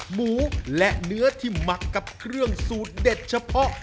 หมูและเนื้อที่หมักกับเครื่องสูตรเด็ดเฉพาะ